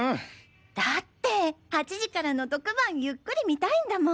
だって８時からの特番ゆっくり見たいんだもん。